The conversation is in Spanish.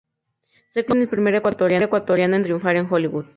Se convirtió así en el primer ecuatoriano en triunfar en Hollywood.